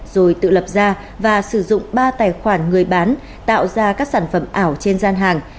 rồi tự lập ra và sử dụng ba tài khoản người bán tạo ra các sản phẩm ảo trên gian hàng